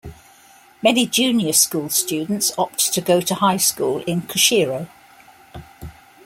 Many junior school students opt to go to high school in Kushiro.